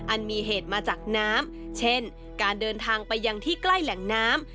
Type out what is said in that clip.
อันมีเหตุมาจากน้ำเช่นการเดินทางไปยังที่ใกล้แหล่งน้ำ